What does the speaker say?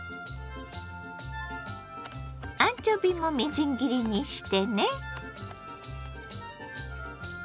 アンチョビもみじん切りにしてね。